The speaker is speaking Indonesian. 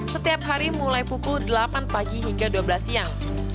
setiap hari mulai pukul delapan pagi hingga dua belas siang